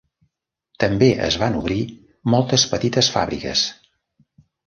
També es van obrir moltes petites fàbriques.